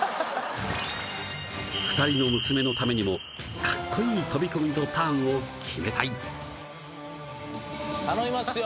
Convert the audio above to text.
２人の娘のためにもカッコイイ飛び込みとターンを決めたい頼みますよ